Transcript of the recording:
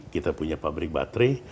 kita punya pabrik baterai